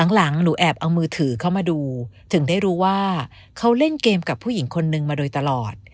หลังหนูแอบเอามือถือเข้ามาดูถึงได้รู้ว่าเขาเล่นเกมกับผู้หญิงคนนึงมาโดยตลอด